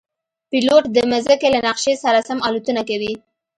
پیلوټ د مځکې له نقشې سره سم الوتنه کوي.